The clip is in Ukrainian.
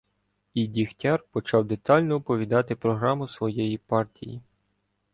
І Дігтяр почав детально оповідати програму своєї партії.